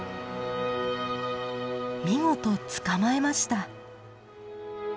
見事捕まえました。